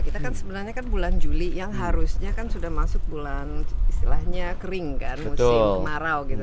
kita kan sebenarnya kan bulan juli yang harusnya kan sudah masuk bulan istilahnya kering kan musim kemarau gitu